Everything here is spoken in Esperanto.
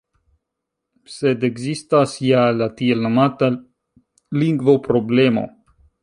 Sed ekzistas ja la tiel nomata “lingvo-problemo”.